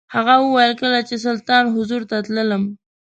هغه وویل کله چې سلطان حضور ته تللم.